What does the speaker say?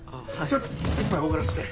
ちょっと一杯おごらせて。